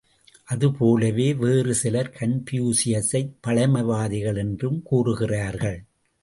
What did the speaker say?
அது போலவே வேறு சிலர் கன்பூசியசை பழமைவாதிகள் என்றும் கூறுகிறார்கள்.